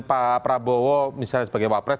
pak prabowo misalnya sebagai wapres